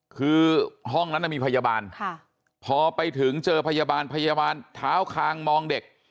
คือห้องนั้นมีพยาบาลพอไปถึงเจอพยาบาลพยาบาลเท้าคางมองเด็ก